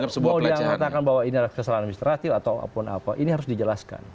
pokoknya mau dianggap bahwa ini adalah kesalahan administratif ataupun apa ini harus dijelaskan